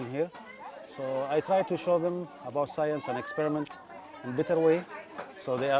jadi saya mencoba untuk menunjukkan ke mereka tentang sains dan eksperimen dengan cara yang lebih baik